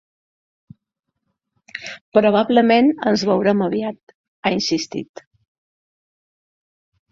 “Probablement ens veurem aviat”, ha insistit.